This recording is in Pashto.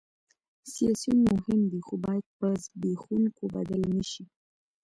سیاسیون مهم دي خو باید په زبېښونکو بدل نه شي